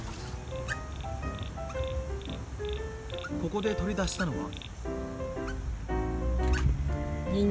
ここで取り出したのは。